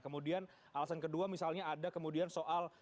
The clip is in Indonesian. kemudian alasan kedua misalnya ada kemudian soal